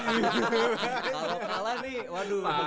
kalau kalah nih waduh